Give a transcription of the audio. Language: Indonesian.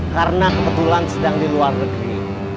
karena kebetulan sedang di luar negeri